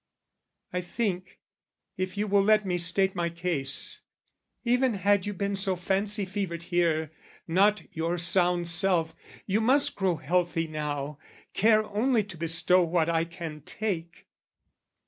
"I think, if you will let me state my case, "Even had you been so fancy fevered here, "Not your sound self, you must grow healthy now "Care only to bestow what I can take.